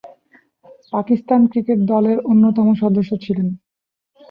Pakistan cricket দলের অন্যতম সদস্য ছিলেন।